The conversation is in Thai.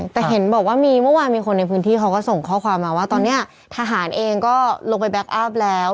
แต่เห็นบอกว่ามีเมื่อวานมีคนในพื้นที่เขาก็ส่งข้อความมาว่าตอนนี้ทหารเองก็ลงไปแบ็คอัพแล้ว